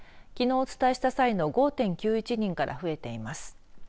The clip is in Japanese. きのうお伝えした際の５．９１人から増えています。